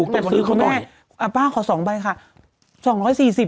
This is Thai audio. ต้องซื้อเขาบ่อยแต่บอกคุณแม่อ่าป้าขอสองใบค่ะสองร้อยสี่สิบ